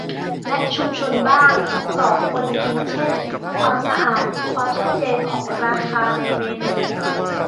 และชุมชนบ้าง ต่อคนกินเช่น ความสะอาด ความชัดเจนของราคาในเมนู